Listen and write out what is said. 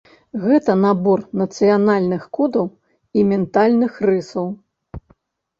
Гэта набор нацыянальных кодаў і ментальных рысаў.